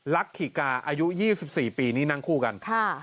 ลักษิกาอายุ๒๔ปีนี่นั่งคู่กัน